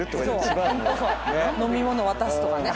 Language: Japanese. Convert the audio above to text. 飲み物渡すとかね。